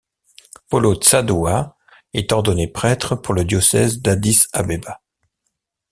Paulos Tzadua est ordonné prêtre le pour le diocèse d'Addis Abeba.